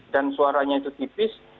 dan suaranya itu tipis